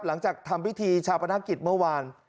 หลังจากทำพิธีชาปนกิจเมื่อวาน